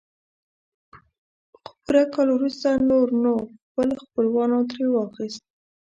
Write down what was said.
خو پوره کال وروسته نور نو خپل خپلوانو ترې لاس واخيست.